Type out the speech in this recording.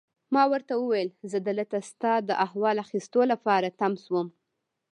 ما ورته وویل: زه دلته ستا د احوال اخیستو لپاره تم شوم.